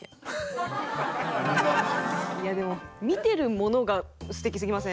いやでも見てるものが素敵すぎません？